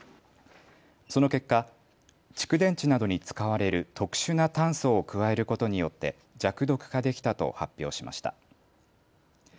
その結果、蓄電池などに使われる特殊な炭素を加えることによって弱毒化できたと発表しました。